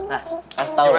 nah kasih tau